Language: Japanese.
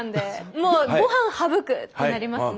もうごはん省く！ってなりますね。